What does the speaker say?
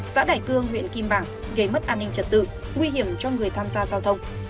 xã đại cương huyện kim bảng gây mất an ninh trật tự nguy hiểm cho người tham gia giao thông